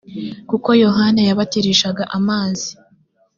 kuko yohana yabatirishaga amazi